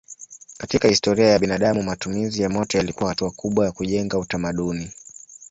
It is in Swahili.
Katika historia ya binadamu matumizi ya moto yalikuwa hatua kubwa ya kujenga utamaduni.